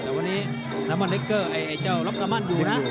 แต่วันนี้น้ำมันเล็กเกอร์ไอ้เจ้าล็อกกามั่นอยู่นะ